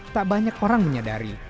tak banyak orang menyadari